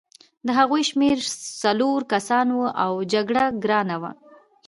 د هغوی شمېر څلور کسان وو او جګړه ګرانه وه